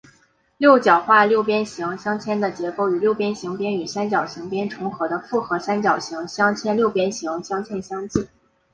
六角化六边形镶嵌的结构与六边形边与三角形边重合的复合三角形镶嵌六边形镶嵌相近。